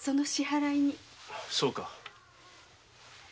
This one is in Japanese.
そうか。